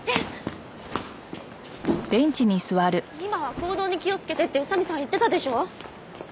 今は行動に気をつけてって宇佐見さん言ってたでしょ。